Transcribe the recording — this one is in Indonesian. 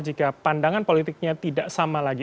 jika pandangan politiknya tidak sama lagi